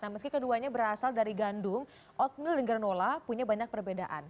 nah meski keduanya berasal dari gandung oatmeal dan granola punya banyak perbedaan